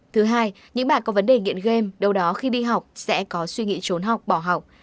thứ hai những bạn có vấn đề nghiện game đâu đó khi đi học sẽ có suy nghĩ trốn học bỏ học